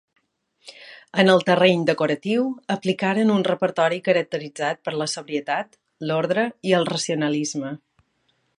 En el terreny decoratiu aplicaren un repertori caracteritzat per la sobrietat, l'ordre i el racionalisme.